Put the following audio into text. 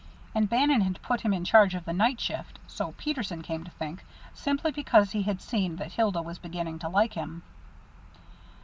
And Bannon had put him in charge of the night shift, so Peterson came to think, simply because he had seen that Hilda was beginning to like him.